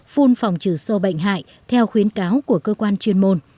phun phòng trừ sâu bệnh hại theo khuyến cáo của cơ quan chuyên môn